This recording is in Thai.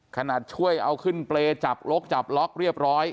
ช่วยเอาขึ้นเปรย์จับลกจับล็อกเรียบร้อย